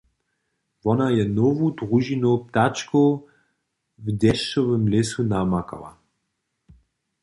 Wona je nowu družinu ptačkow w dešćowym lěsu namakała.